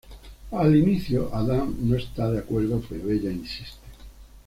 Al inició Adam no está de acuerdo pero ella insiste.